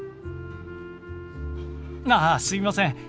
ああすみません。